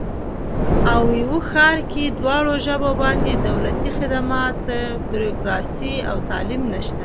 او یو ښار کې دواړه ژبو باندې دولتي خدمات، بیروکراسي او تعلیم نشته دی